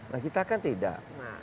nah kita kan tidak